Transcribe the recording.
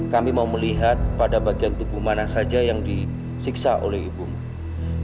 kami mau melihat pada bagian tubuh mana saja yang disiksa oleh ibu